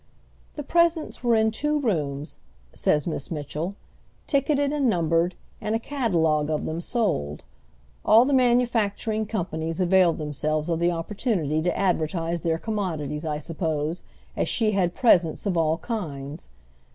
"The presents were in two rooms," says Miss Mitchell, "ticketed and numbered, and a catalogue of them sold. All the manufacturing companies availed themselves of the opportunity to advertise their commodities, I suppose, as she had presents of all kinds.